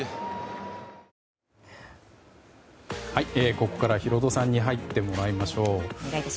ここからはヒロドさんに入ってもらいましょう。